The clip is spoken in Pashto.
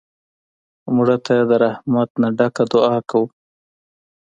مړه ته د رحمت نه ډکه دعا کوو